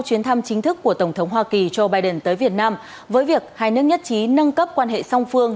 chuyến thăm chính thức của tổng thống hoa kỳ joe biden tới việt nam với việc hai nước nhất trí nâng cấp quan hệ song phương